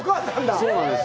そうなんですよ。